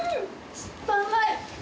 酸っぱうまい！